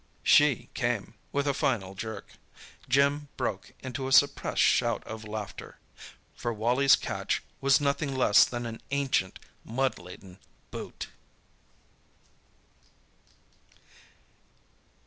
"She" came, with a final jerk. Jim broke into a suppressed shout of laughter. For Wally's catch was nothing less than an ancient, mud laden boot!